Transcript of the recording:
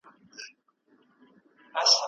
زه به ښوونځي ته تللی وي.